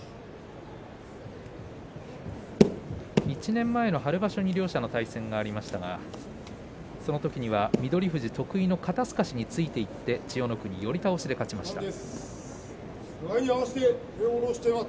１年前の春場所に両者の対戦がありましたがそのときには翠富士得意の肩すかしについていって千代の国、寄り倒しで勝ちました。